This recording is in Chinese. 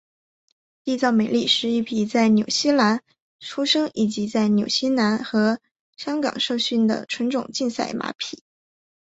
缔造美丽是一匹在纽西兰出生以及在纽西兰和香港受训的纯种竞赛马匹。